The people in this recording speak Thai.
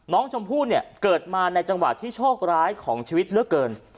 น้องชมพู่เนี่ยเกิดมาในจังหวะที่โชคร้ายของชีวิตเหลือเกิน